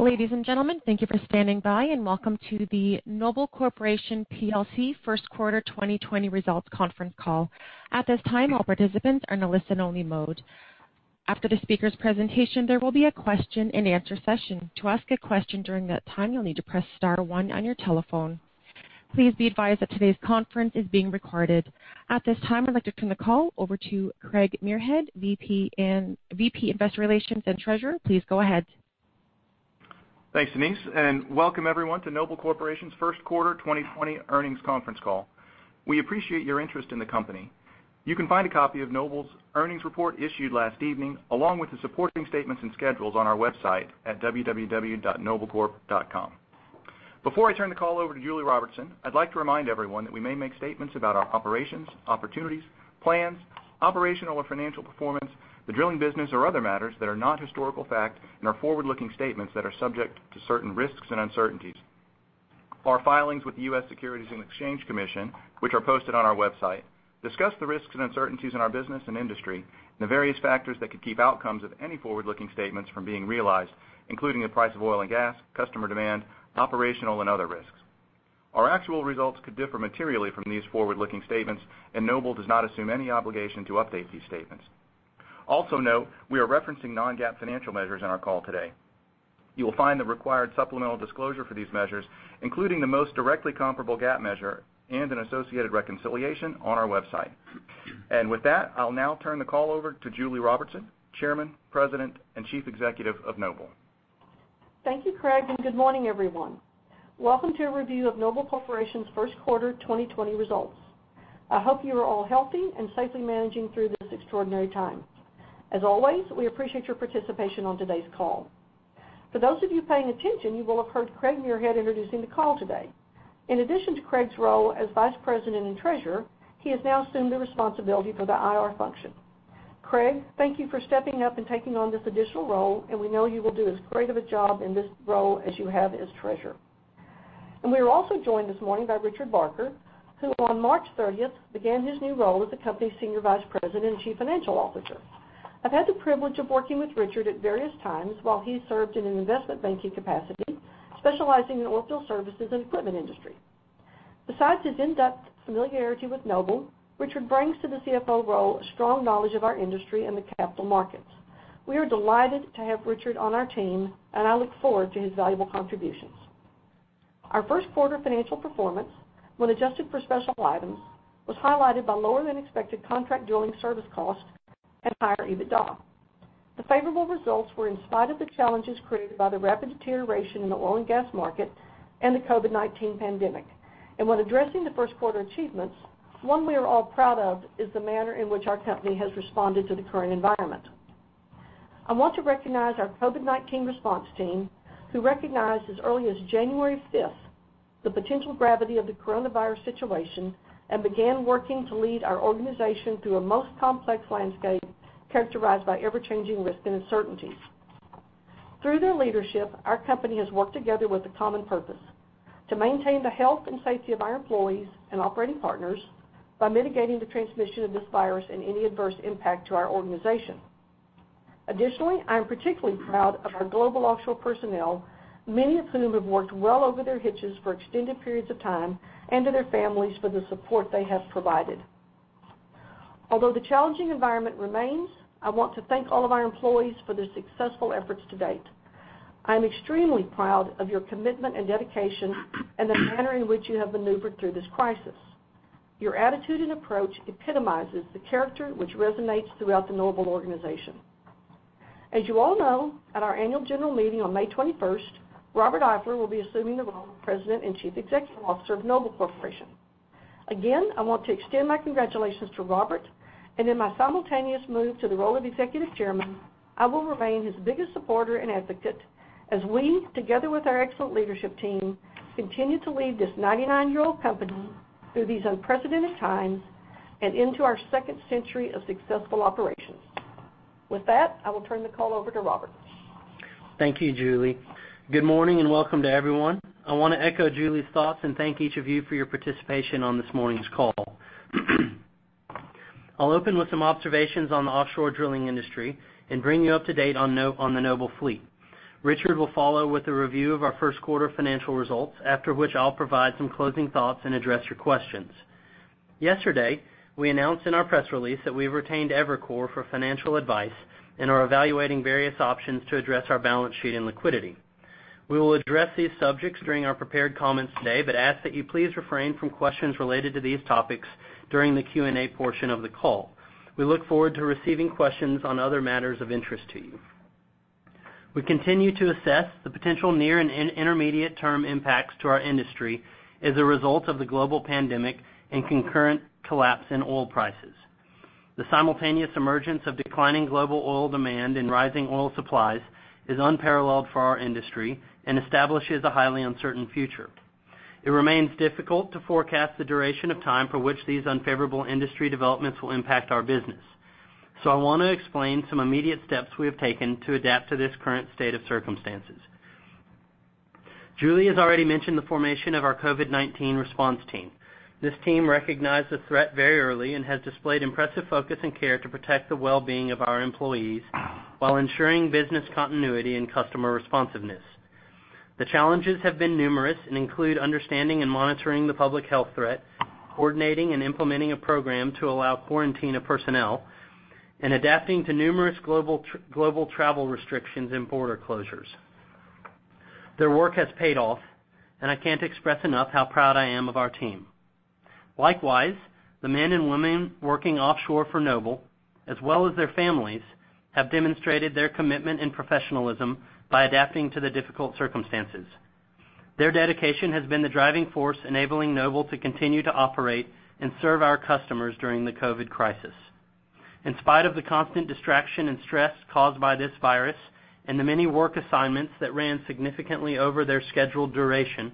Ladies and gentlemen, thank you for standing by, and welcome to the Noble Corporation plc First Quarter 2020 Results Conference Call. At this time, all participants are in a listen-only mode. After the speaker's presentation, there will be a question-and-answer session. To ask a question during that time, you'll need to press star one on your telephone. Please be advised that today's conference is being recorded. At this time, I'd like to turn the call over to Craig Muirhead, VP Investor Relations and Treasurer. Please go ahead. Thanks, Denise. And welcome, everyone, to Noble Corporation's First Quarter 2020 Earnings Conference Call. We appreciate your interest in the company. You can find a copy of Noble's earnings report issued last evening, along with the supporting statements and schedules, on our website at www.noblecorp.com. Before I turn the call over to Julie Robertson, I'd like to remind everyone that we may make statements about our operations, opportunities, plans, operational or financial performance, the drilling business, or other matters that are not historical fact and are forward-looking statements that are subject to certain risks and uncertainties. Our filings with the U.S. Securities and Exchange Commission, which are posted on our website, discuss the risks and uncertainties in our business and industry and the various factors that could keep outcomes of any forward-looking statements from being realized, including the price of oil and gas, customer demand, operational, and other risks. Our actual results could differ materially from these forward-looking statements, and Noble does not assume any obligation to update these statements. Also note, we are referencing non-GAAP financial measures in our call today. You will find the required supplemental disclosure for these measures, including the most directly comparable GAAP measure and an associated reconciliation, on our website. And with that, I'll now turn the call over to Julie Robertson, Chairman, President, and Chief Executive of Noble. Thank you, Craig, and good morning, everyone. Welcome to a review of Noble Corporation's First Quarter 2020 Results. I hope you are all healthy and safely managing through this extraordinary time. As always, we appreciate your participation on today's call. For those of you paying attention, you will have heard Craig Muirhead introducing the call today. In addition to Craig's role as Vice President and Treasurer, he has now assumed the responsibility for the IR function. Craig, thank you for stepping up and taking on this additional role, and we know you will do as great of a job in this role as you have as Treasurer. And we are also joined this morning by Richard Barker, who, on March 30th, began his new role as the company's Senior Vice President and Chief Financial Officer. I've had the privilege of working with Richard at various times while he served in an investment banking capacity, specializing in oilfield services and equipment industry. Besides his in-depth familiarity with Noble, Richard brings to the CFO role a strong knowledge of our industry and the capital markets. We are delighted to have Richard on our team, and I look forward to his valuable contributions. Our first quarter financial performance, when adjusted for special items, was highlighted by lower-than-expected contract drilling service costs and higher EBITDA. The favorable results were in spite of the challenges created by the rapid deterioration in the oil and gas market and the COVID-19 pandemic, and when addressing the first quarter achievements, one we are all proud of is the manner in which our company has responded to the current environment. I want to recognize our COVID-19 response team, who recognized as early as January 5th the potential gravity of the coronavirus situation and began working to lead our organization through a most complex landscape characterized by ever-changing risks and uncertainties. Through their leadership, our company has worked together with a common purpose: to maintain the health and safety of our employees and operating partners by mitigating the transmission of this virus and any adverse impact to our organization. Additionally, I am particularly proud of our global offshore personnel, many of whom have worked well over their hitches for extended periods of time, and of their families for the support they have provided. Although the challenging environment remains, I want to thank all of our employees for their successful efforts to date. I am extremely proud of your commitment and dedication and the manner in which you have maneuvered through this crisis. Your attitude and approach epitomize the character which resonates throughout the Noble organization. As you all know, at our annual general meeting on May 21st, Robert Eifler will be assuming the role of President and Chief Executive Officer of Noble Corporation. Again, I want to extend my congratulations to Robert, and in my simultaneous move to the role of Executive Chairman, I will remain his biggest supporter and advocate as we, together with our excellent leadership team, continue to lead this 99-year-old company through these unprecedented times and into our second century of successful operations. With that, I will turn the call over to Robert. Thank you, Julie. Good morning and welcome to everyone. I want to echo Julie's thoughts and thank each of you for your participation on this morning's call. I'll open with some observations on the offshore drilling industry and bring you up to date on the Noble fleet. Richard will follow with a review of our first quarter financial results, after which I'll provide some closing thoughts and address your questions. Yesterday, we announced in our press release that we have retained Evercore for financial advice and are evaluating various options to address our balance sheet and liquidity. We will address these subjects during our prepared comments today, but ask that you please refrain from questions related to these topics during the Q&A portion of the call. We look forward to receiving questions on other matters of interest to you. We continue to assess the potential near and intermediate-term impacts to our industry as a result of the global pandemic and concurrent collapse in oil prices. The simultaneous emergence of declining global oil demand and rising oil supplies is unparalleled for our industry and establishes a highly uncertain future. It remains difficult to forecast the duration of time for which these unfavorable industry developments will impact our business, so I want to explain some immediate steps we have taken to adapt to this current state of circumstances. Julie has already mentioned the formation of our COVID-19 response team. This team recognized the threat very early and has displayed impressive focus and care to protect the well-being of our employees while ensuring business continuity and customer responsiveness. The challenges have been numerous and include understanding and monitoring the public health threat, coordinating and implementing a program to allow quarantine of personnel, and adapting to numerous global travel restrictions and border closures. Their work has paid off, and I can't express enough how proud I am of our team. Likewise, the men and women working offshore for Noble, as well as their families, have demonstrated their commitment and professionalism by adapting to the difficult circumstances. Their dedication has been the driving force enabling Noble to continue to operate and serve our customers during the COVID crisis. In spite of the constant distraction and stress caused by this virus and the many work assignments that ran significantly over their scheduled duration,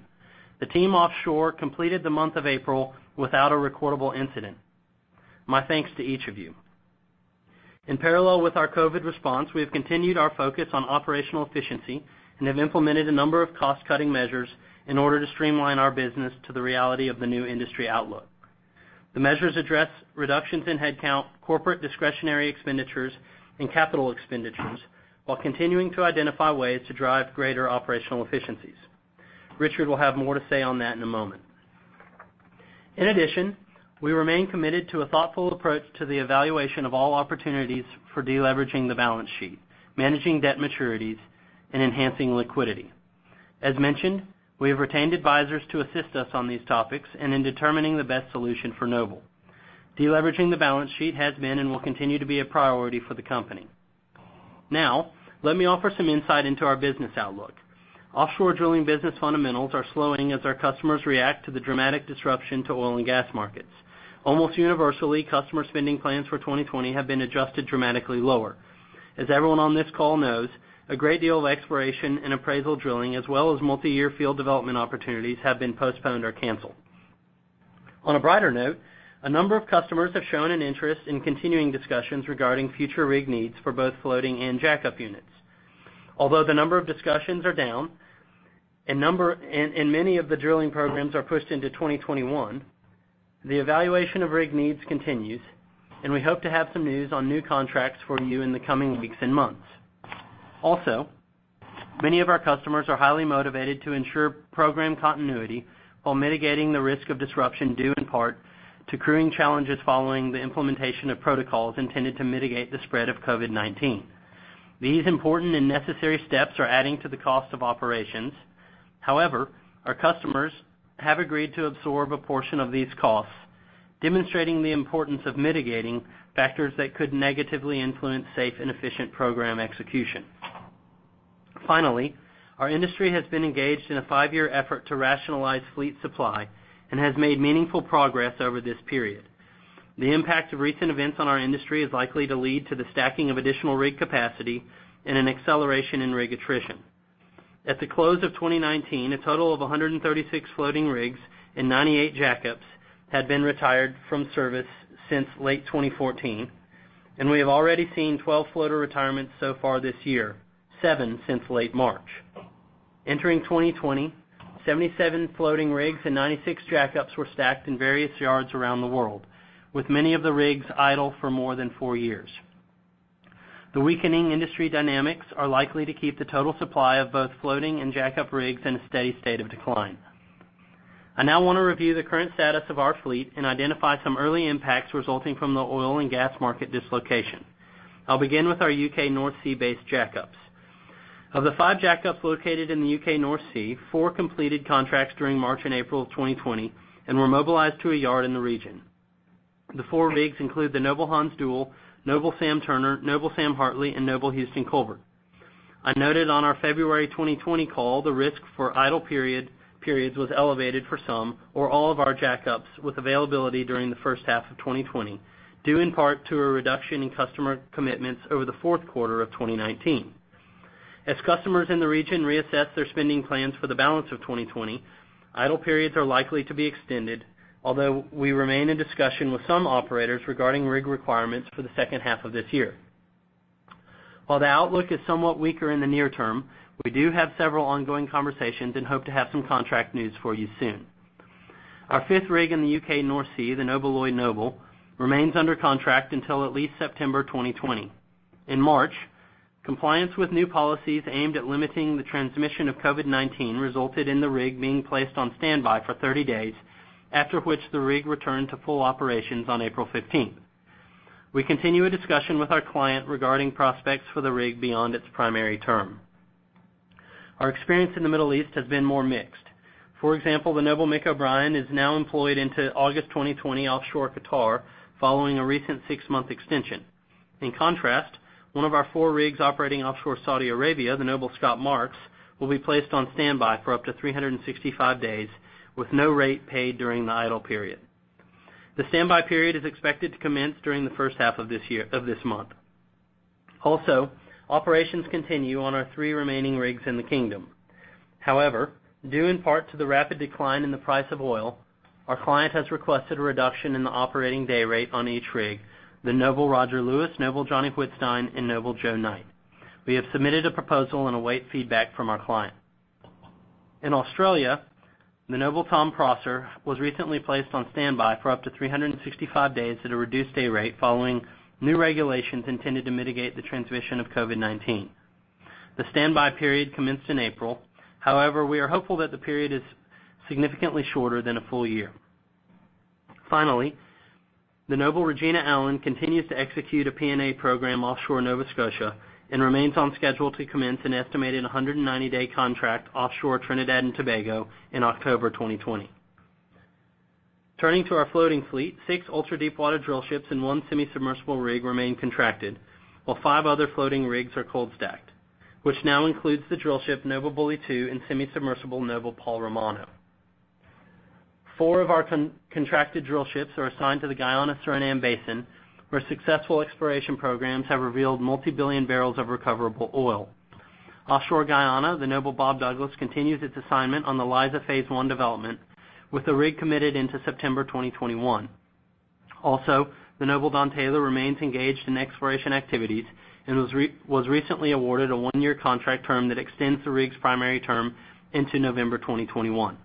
the team offshore completed the month of April without a recordable incident. My thanks to each of you. In parallel with our COVID response, we have continued our focus on operational efficiency and have implemented a number of cost-cutting measures in order to streamline our business to the reality of the new industry outlook. The measures address reductions in headcount, corporate discretionary expenditures, and capital expenditures, while continuing to identify ways to drive greater operational efficiencies. Richard will have more to say on that in a moment. In addition, we remain committed to a thoughtful approach to the evaluation of all opportunities for deleveraging the balance sheet, managing debt maturities, and enhancing liquidity. As mentioned, we have retained advisors to assist us on these topics and in determining the best solution for Noble. Deleveraging the balance sheet has been and will continue to be a priority for the company. Now, let me offer some insight into our business outlook. Offshore drilling business fundamentals are slowing as our customers react to the dramatic disruption to oil and gas markets. Almost universally, customer spending plans for 2020 have been adjusted dramatically lower. As everyone on this call knows, a great deal of exploration and appraisal drilling, as well as multi-year field development opportunities, have been postponed or canceled. On a brighter note, a number of customers have shown an interest in continuing discussions regarding future rig needs for both floating and jack-up units. Although the number of discussions are down and many of the drilling programs are pushed into 2021, the evaluation of rig needs continues, and we hope to have some news on new contracts for you in the coming weeks and months. Also, many of our customers are highly motivated to ensure program continuity while mitigating the risk of disruption due, in part, to crewing challenges following the implementation of protocols intended to mitigate the spread of COVID-19. These important and necessary steps are adding to the cost of operations. However, our customers have agreed to absorb a portion of these costs, demonstrating the importance of mitigating factors that could negatively influence safe and efficient program execution. Finally, our industry has been engaged in a five-year effort to rationalize fleet supply and has made meaningful progress over this period. The impact of recent events on our industry is likely to lead to the stacking of additional rig capacity and an acceleration in rig attrition. At the close of 2019, a total of 136 floating rigs and 98 jack-ups had been retired from service since late 2014, and we have already seen 12 floater retirements so far this year, seven since late March. Entering 2020, 77 floating rigs and 96 jack-ups were stacked in various yards around the world, with many of the rigs idle for more than four years. The weakening industry dynamics are likely to keep the total supply of both floating and jack-up rigs in a steady state of decline. I now want to review the current status of our fleet and identify some early impacts resulting from the oil and gas market dislocation. I'll begin with our U.K. North Sea-based jack-ups. Of the five jack-ups located in the U.K. North Sea, four completed contracts during March and April of 2020 and were mobilized to a yard in the region. The four rigs include the Noble Hans Deul, Noble Sam Turner, Noble Sam Hartley, and Noble Houston Colbert. I noted on our February 2020 call the risk for idle periods was elevated for some or all of our jack-ups with availability during the first half of 2020, due, in part, to a reduction in customer commitments over the fourth quarter of 2019. As customers in the region reassess their spending plans for the balance of 2020, idle periods are likely to be extended, although we remain in discussion with some operators regarding rig requirements for the second half of this year. While the outlook is somewhat weaker in the near term, we do have several ongoing conversations and hope to have some contract news for you soon. Our fifth rig in the UK North Sea, the Noble Lloyd Noble, remains under contract until at least September 2020. In March, compliance with new policies aimed at limiting the transmission of COVID-19 resulted in the rig being placed on standby for 30 days, after which the rig returned to full operations on April 15th. We continue a discussion with our client regarding prospects for the rig beyond its primary term. Our experience in the Middle East has been more mixed. For example, the Noble Mick O'Brien is now employed into August 2020 offshore Qatar following a recent six-month extension. In contrast, one of our four rigs operating offshore Saudi Arabia, the Noble Scott Marks, will be placed on standby for up to 365 days with no rate paid during the idle period. The standby period is expected to commence during the first half of this month. Also, operations continue on our three remaining rigs in the kingdom. However, due in part to the rapid decline in the price of oil, our client has requested a reduction in the operating day rate on each rig: the Noble Roger Lewis, Noble Johnny Whitstine, and Noble Joe Knight. We have submitted a proposal and await feedback from our client. In Australia, the Noble Tom Prosser was recently placed on standby for up to 365 days at a reduced day rate following new regulations intended to mitigate the transmission of COVID-19. The standby period commenced in April; however, we are hopeful that the period is significantly shorter than a full year. Finally, the Noble Regina Allen continues to execute a P&A program offshore Nova Scotia and remains on schedule to commence an estimated 190-day contract offshore Trinidad and Tobago in October 2020. Turning to our floating fleet, six ultra-deepwater drillships and one semisubmersible rig remain contracted, while five other floating rigs are cold-stacked, which now includes the drillship Noble Bully II and semisubmersible Noble Paul Romano. Four of our contracted drillships are assigned to the Guyana-Suriname Basin, where successful exploration programs have revealed multi-billion barrels of recoverable oil. Offshore Guyana, the Noble Bob Douglas continues its assignment on the Liza Phase 1 development, with the rig committed into September 2021. Also, the Noble Don Taylor remains engaged in exploration activities and was recently awarded a one-year contract term that extends the rig's primary term into November 2021.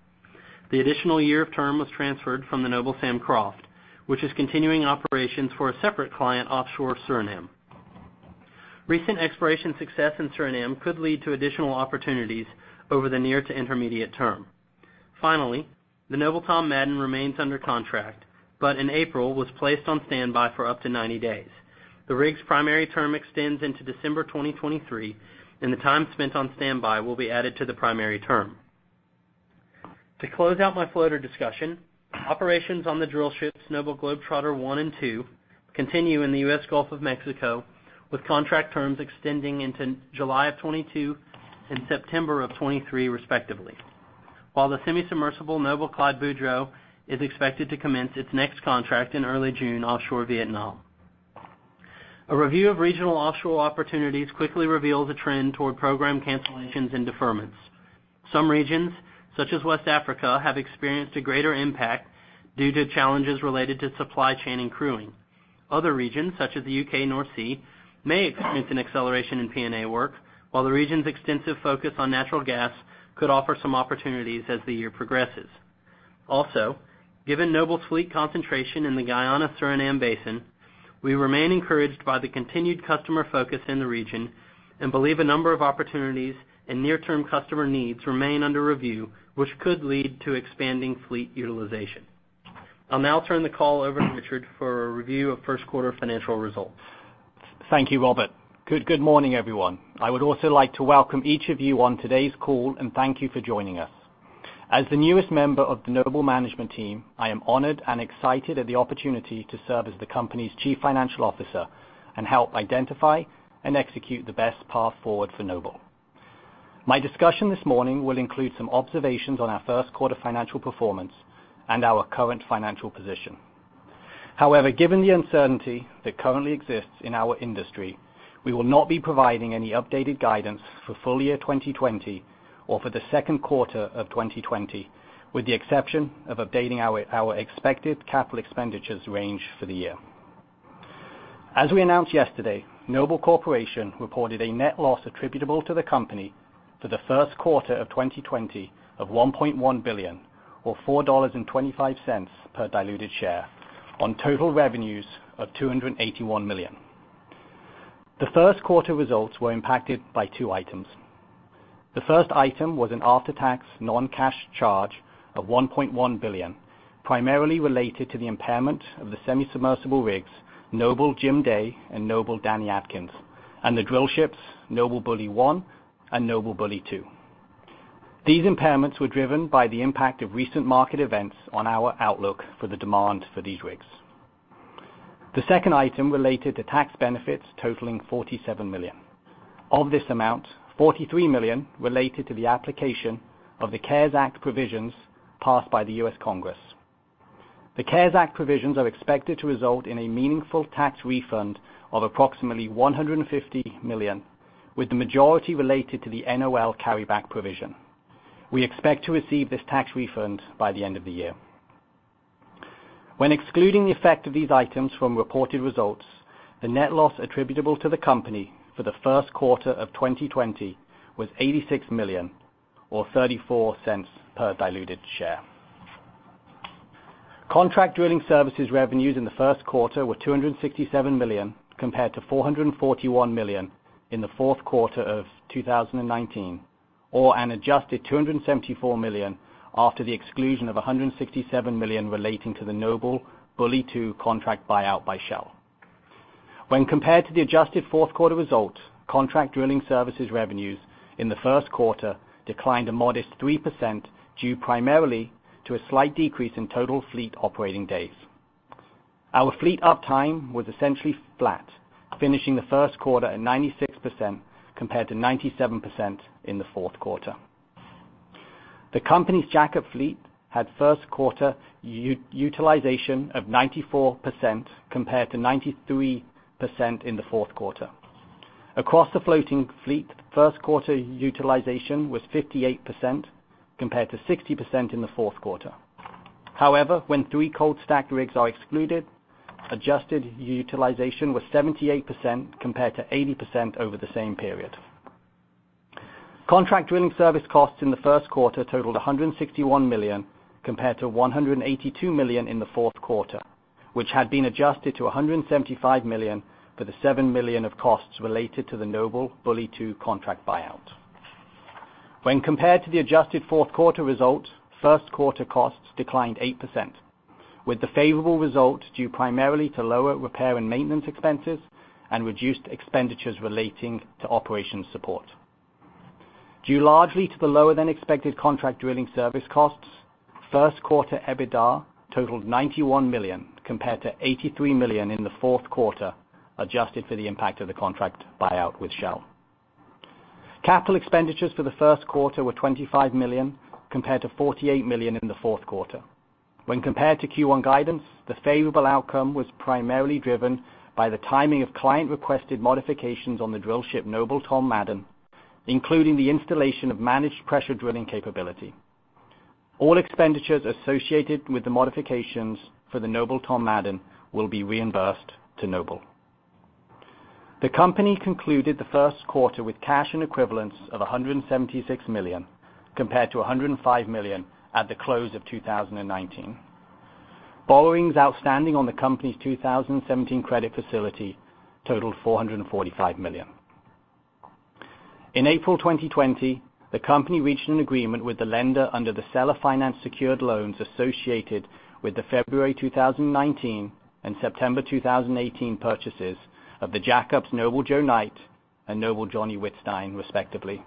The additional year of term was transferred from the Noble Sam Croft, which is continuing operations for a separate client offshore Suriname. Recent exploration success in Suriname could lead to additional opportunities over the near to intermediate term. Finally, the Noble Tom Madden remains under contract but, in April, was placed on standby for up to 90 days. The rig's primary term extends into December 2023, and the time spent on standby will be added to the primary term. To close out my floater discussion, operations on the drillships Noble Globetrotter I and II continue in the US Gulf of Mexico, with contract terms extending into July of 2022 and September of 2023, respectively, while the semisubmersible Noble Clyde Boudreaux is expected to commence its next contract in early June offshore Vietnam. A review of regional offshore opportunities quickly reveals a trend toward program cancellations and deferments. Some regions, such as West Africa, have experienced a greater impact due to challenges related to supply chain and crewing. Other regions, such as the UK North Sea, may experience an acceleration in P&A work, while the region's extensive focus on natural gas could offer some opportunities as the year progresses. Also, given Noble's fleet concentration in the Guyana-Suriname Basin, we remain encouraged by the continued customer focus in the region and believe a number of opportunities and near-term customer needs remain under review, which could lead to expanding fleet utilization. I'll now turn the call over to Richard for a review of first-quarter financial results. Thank you, Robert. Good morning, everyone. I would also like to welcome each of you on today's call and thank you for joining us. As the newest member of the Noble management team, I am honored and excited at the opportunity to serve as the company's Chief Financial Officer and help identify and execute the best path forward for Noble. My discussion this morning will include some observations on our first quarter financial performance and our current financial position. However, given the uncertainty that currently exists in our industry, we will not be providing any updated guidance for full year 2020 or for the second quarter of 2020, with the exception of updating our expected capital expenditures range for the year. As we announced yesterday, Noble Corporation reported a net loss attributable to the company for the first quarter of 2020 of $1.1 billion, or $4.25 per diluted share, on total revenues of $281 million. The first quarter results were impacted by two items. The first item was an after-tax non-cash charge of $1.1 billion, primarily related to the impairment of the semi-submersible rigs Noble Jim Day and Noble Danny Adkins, and the drillships Noble Bully I and Noble Bully II. These impairments were driven by the impact of recent market events on our outlook for the demand for these rigs. The second item related to tax benefits totaling $47 million. Of this amount, $43 million related to the application of the CARES Act provisions passed by the U.S. Congress. The CARES Act provisions are expected to result in a meaningful tax refund of approximately $150 million, with the majority related to the NOL carryback provision. We expect to receive this tax refund by the end of the year. When excluding the effect of these items from reported results, the net loss attributable to the company for the first quarter of 2020 was $86 million, or $0.34 per diluted share. Contract drilling services revenues in the first quarter were $267 million compared to $441 million in the fourth quarter of 2019, or an adjusted $274 million after the exclusion of $167 million relating to the Noble Bully II contract buyout by Shell. When compared to the adjusted fourth quarter result, contract drilling services revenues in the first quarter declined a modest 3% due primarily to a slight decrease in total fleet operating days. Our fleet uptime was essentially flat, finishing the first quarter at 96% compared to 97% in the fourth quarter. The company's jack-up fleet had first quarter utilization of 94% compared to 93% in the fourth quarter. Across the floating fleet, first quarter utilization was 58% compared to 60% in the fourth quarter. However, when three cold-stacked rigs are excluded, adjusted utilization was 78% compared to 80% over the same period. Contract drilling service costs in the first quarter totaled $161 million compared to $182 million in the fourth quarter, which had been adjusted to $175 million for the $7 million of costs related to the Noble Bully II contract buyout. When compared to the adjusted fourth quarter result, first quarter costs declined 8%, with the favorable result due primarily to lower repair and maintenance expenses and reduced expenditures relating to operations support. Due largely to the lower-than-expected contract drilling service costs, first quarter EBITDA totaled $91 million compared to $83 million in the fourth quarter, adjusted for the impact of the contract buyout with Shell. Capital expenditures for the first quarter were $25 million compared to $48 million in the fourth quarter. When compared to Q1 guidance, the favorable outcome was primarily driven by the timing of client-requested modifications on the drill ship Noble Tom Madden, including the installation of managed pressure drilling capability. All expenditures associated with the modifications for the Noble Tom Madden will be reimbursed to Noble. The company concluded the first quarter with cash and equivalents of $176 million compared to $105 million at the close of 2019. Borrowings outstanding on the company's 2017 Credit Facility totaled $445 million. In April 2020, the company reached an agreement with the lender under the seller finance secured loans associated with the February 2019 and September 2018 purchases of the jack-ups Noble Joe Knight and Noble Johnny Whitstine, respectively.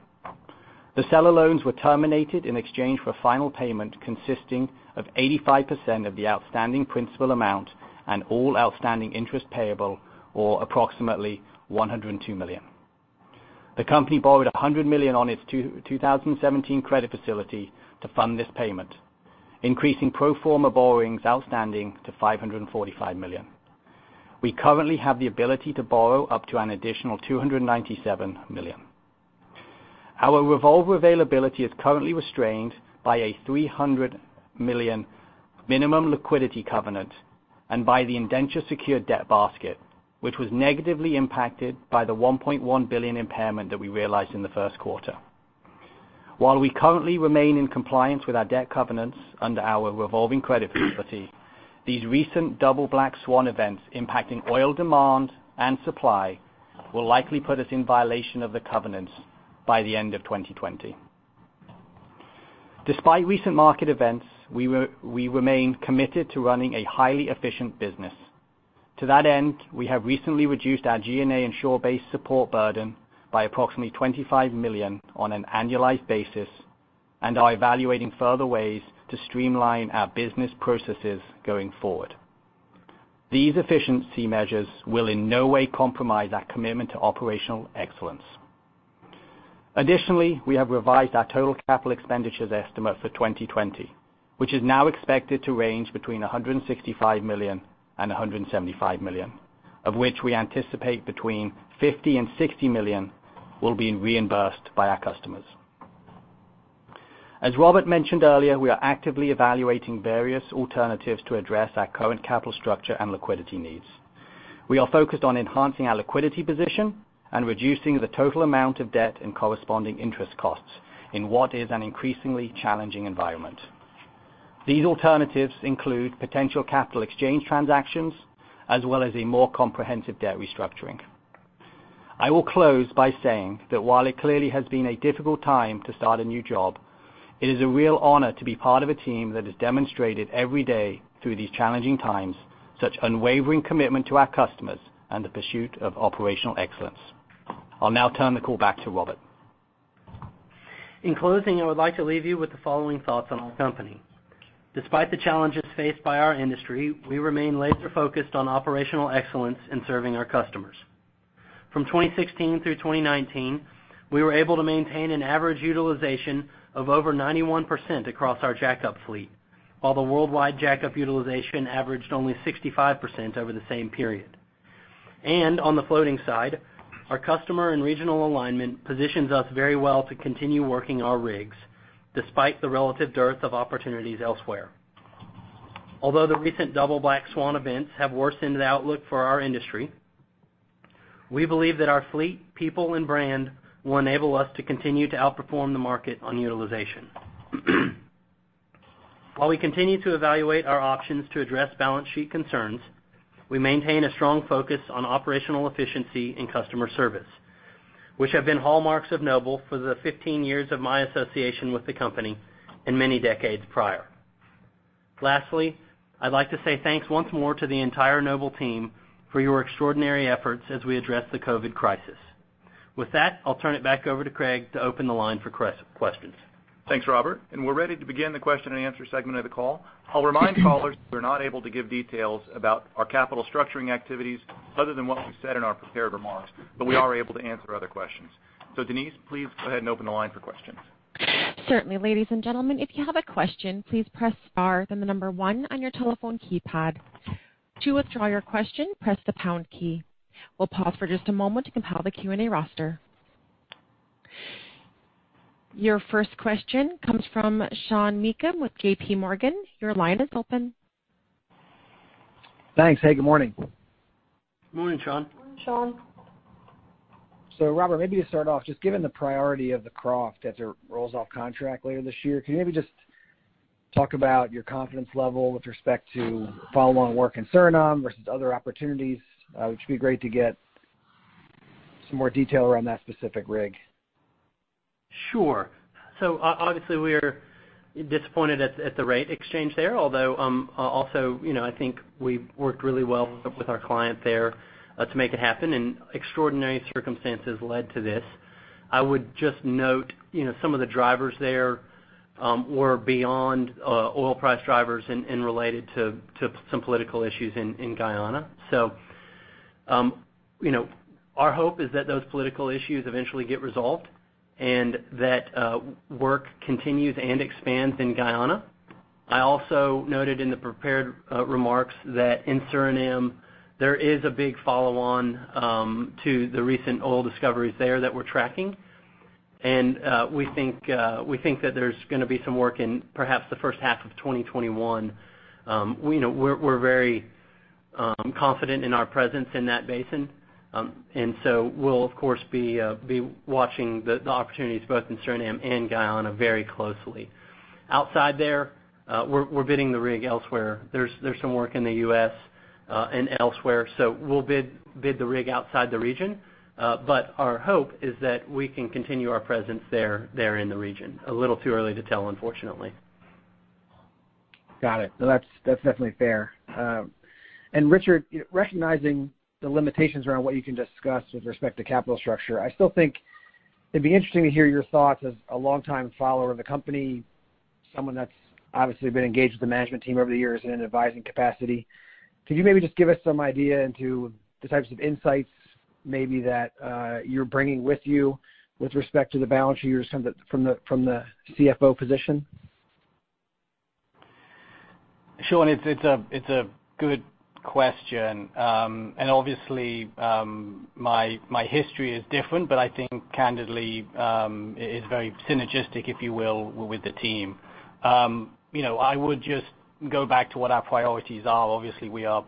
The seller loans were terminated in exchange for a final payment consisting of 85% of the outstanding principal amount and all outstanding interest payable, or approximately $102 million. The company borrowed $100 million on its 2017 Credit Facility to fund this payment, increasing pro forma borrowings outstanding to $545 million. We currently have the ability to borrow up to an additional $297 million. Our revolver availability is currently restrained by a $300 million minimum liquidity covenant and by the indenture secured debt basket, which was negatively impacted by the $1.1 billion impairment that we realized in the first quarter. While we currently remain in compliance with our debt covenants under our revolving credit facility, these recent double black swan events impacting oil demand and supply will likely put us in violation of the covenants by the end of 2020. Despite recent market events, we remain committed to running a highly efficient business. To that end, we have recently reduced our G&A and shorebase support burden by approximately $25 million on an annualized basis and are evaluating further ways to streamline our business processes going forward. These efficiency measures will in no way compromise our commitment to operational excellence. Additionally, we have revised our total capital expenditures estimate for 2020, which is now expected to range between $165 million and $175 million, of which we anticipate between $50 million and $60 million will be reimbursed by our customers. As Robert mentioned earlier, we are actively evaluating various alternatives to address our current capital structure and liquidity needs. We are focused on enhancing our liquidity position and reducing the total amount of debt and corresponding interest costs in what is an increasingly challenging environment. These alternatives include potential capital exchange transactions, as well as a more comprehensive debt restructuring. I will close by saying that while it clearly has been a difficult time to start a new job, it is a real honor to be part of a team that has demonstrated every day through these challenging times such unwavering commitment to our customers and the pursuit of operational excellence. I'll now turn the call back to Robert. In closing, I would like to leave you with the following thoughts on our company. Despite the challenges faced by our industry, we remain laser-focused on operational excellence in serving our customers. From 2016 through 2019, we were able to maintain an average utilization of over 91% across our jack-up fleet, while the worldwide jack-up utilization averaged only 65% over the same period, and on the floating side, our customer and regional alignment positions us very well to continue working our rigs despite the relative dearth of opportunities elsewhere. Although the recent double black swan events have worsened the outlook for our industry, we believe that our fleet, people, and brand will enable us to continue to outperform the market on utilization. While we continue to evaluate our options to address balance sheet concerns, we maintain a strong focus on operational efficiency and customer service, which have been hallmarks of Noble for the 15 years of my association with the company and many decades prior. Lastly, I'd like to say thanks once more to the entire Noble team for your extraordinary efforts as we address the COVID crisis. With that, I'll turn it back over to Craig to open the line for questions. Thanks, Robert. And we're ready to begin the question and answer segment of the call. I'll remind callers that we're not able to give details about our capital structuring activities other than what we said in our prepared remarks, but we are able to answer other questions. So Denise, please go ahead and open the line for questions. Certainly. Ladies and gentlemen, if you have a question, please press Star, then the number one on your telephone keypad. To withdraw your question, press the pound key. We'll pause for just a moment to compile the Q&A roster. Your first question comes from Sean Meakim with J.P. Morgan. Your line is open. Thanks. Hey, good morning. Good morning, Sean. Morning, Sean. So Robert, maybe to start off, just given the priority of the Croft, as it rolls off contract later this year, can you maybe just talk about your confidence level with respect to follow-on work in Suriname versus other opportunities? It would be great to get some more detail around that specific rig. Sure. So obviously, we are disappointed at the rate exchange there, although also I think we worked really well with our client there to make it happen, and extraordinary circumstances led to this. I would just note some of the drivers there were beyond oil price drivers and related to some political issues in Guyana. So our hope is that those political issues eventually get resolved and that work continues and expands in Guyana. I also noted in the prepared remarks that in Suriname, there is a big follow-on to the recent oil discoveries there that we're tracking. And we think that there's going to be some work in perhaps the first half of 2021. We're very confident in our presence in that basin. And so we'll, of course, be watching the opportunities both in Suriname and Guyana very closely. Outside there, we're bidding the rig elsewhere. There's some work in the U.S. and elsewhere. So we'll bid the rig outside the region, but our hope is that we can continue our presence there in the region. A little too early to tell, unfortunately. Got it. That's definitely fair. And Richard, recognizing the limitations around what you can discuss with respect to capital structure, I still think it'd be interesting to hear your thoughts as a longtime follower of the company, someone that's obviously been engaged with the management team over the years in an advising capacity. Could you maybe just give us some idea into the types of insights maybe that you're bringing with you with respect to the balance sheet from the CFO position? Sure. It's a good question. And obviously, my history is different, but I think candidly it's very synergistic, if you will, with the team. I would just go back to what our priorities are. Obviously, we are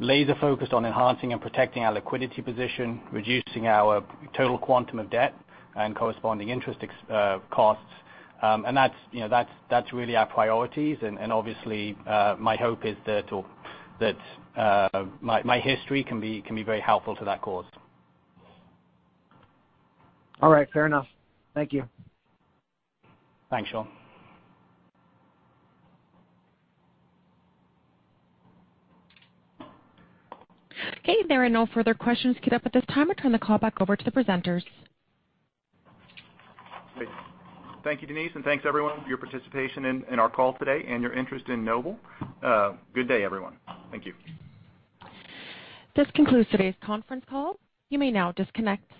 laser-focused on enhancing and protecting our liquidity position, reducing our total quantum of debt and corresponding interest costs. And that's really our priorities. And obviously, my hope is that my history can be very helpful to that cause. All right. Fair enough. Thank you. Thanks, Sean. Okay. There are no further questions queued up at this time. I'll turn the call back over to the presenters. Thank you, Denise. And thanks, everyone, for your participation in our call today and your interest in Noble. Good day, everyone. Thank you. This concludes today's conference call. You may now disconnect.